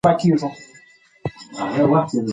ایا ستا پلار تاته د انګلیسي زده کړې اجازه درکوي؟